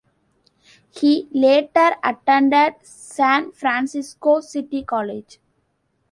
He later attended San Francisco City College.